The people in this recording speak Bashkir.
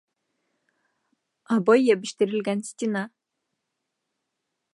Обой йәбештерелгән стена